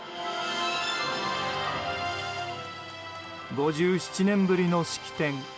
５７年ぶりの式典。